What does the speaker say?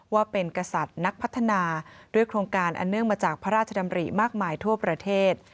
ว่าเป็นกษัตริย์นักพัฒนาด้วยโครงการอันเนื่องมาจากพระราชดำริมากมายทั่วประเทศ